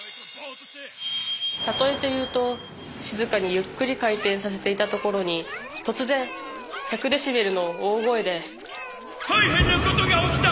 例えて言うと静かにゆっくり回転させていたところに突然１００デシベルの大声で大変なことが起きた！